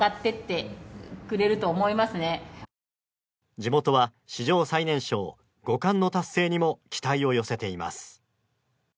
地元は史上最年少五冠の達成にも期待を寄せています。